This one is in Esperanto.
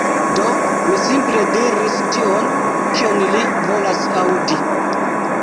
Do mi simple diris tion, kion li volas aŭdi.